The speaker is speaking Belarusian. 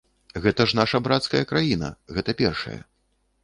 Гэта ж наша брацкая краіна, гэта першае.